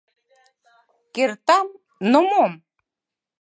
— Кертам, но мом?